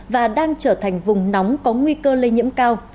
và đang trở thành vùng nóng có nguy cơ lây nhiễm cao